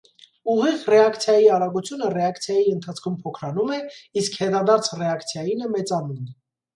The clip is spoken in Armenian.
Ուղիղ ռեակցիայի արագությունը ռեակցիայի ընթացքում փոքրանում է, իսկ հետադարձ ռեակցիայինը՝ մեծանում։